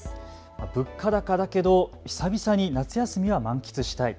物価高だけど久々に夏休みは満喫したい。